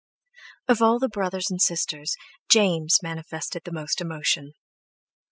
Of all the brothers and sisters James manifested the most emotion.